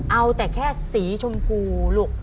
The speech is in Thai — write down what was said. เอาแต่แค่สีชมพูลูก